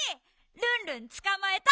ルンルンつかまえた！